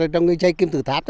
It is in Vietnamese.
trong cái dây kim tử tháp